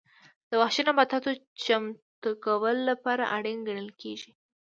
د وحشي نباتاتو چمتو کولو لپاره اړین ګڼل کېږي.